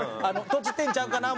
とちってんちゃうかな？